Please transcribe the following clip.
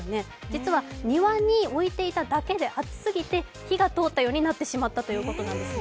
実は庭に置いていただけで暑すぎて火が通ったようになってしまったということなんです。